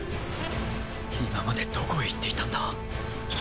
今までどこへ行っていたんだ。